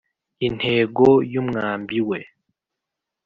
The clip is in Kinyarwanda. intego y’umwambi we.